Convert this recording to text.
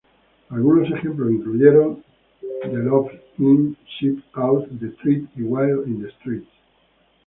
Algunos ejemplos incluyeron "The Love-ins", "Psych-Out", "The Trip", y "Wild in the Streets".